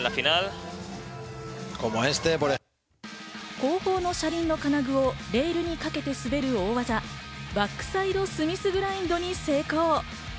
後方の車輪の金具をレールにかけて滑る大技・バックサイドスミスグラインドに成功。